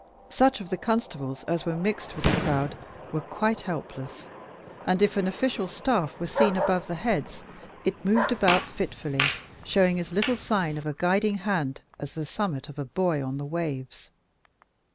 Such of the constables as were mixed with the crowd were quite helpless; and if an official staff was seen above the heads, it moved about fitfully, showing as little sign of a guiding hand as the summit of a buoy on the waves.